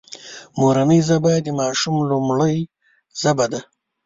مورنۍ ژبه د ماشوم لومړۍ ژبه ده